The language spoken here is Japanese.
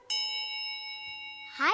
はい。